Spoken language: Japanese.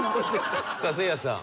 さあせいやさん。